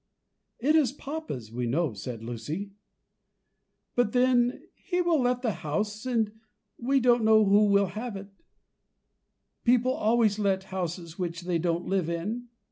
"It is papa's, we know," said Lucy; "but then he will let the house, and we don't know who will have it; people always let houses which they don't live in.